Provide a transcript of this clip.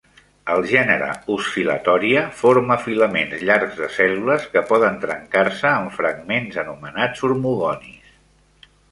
El gènere "Oscillatoria" forma filaments llargs de cèl·lules que poden trencar-se en fragments anomenats hormogonis.